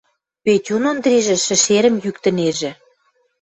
Петюн Ондрижӹ шӹшерӹм йӱктӹнежӹ.